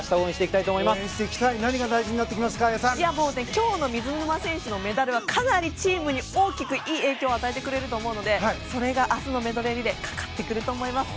今日の水沼選手のメダルはかなりチームに大きく、いい影響を与えてくれると思うのでそれが明日のメドレーリレーかかってくると思います。